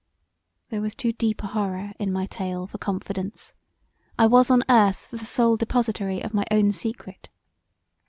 There was too deep a horror in my tale for confidence; I was on earth the sole depository of my own secret.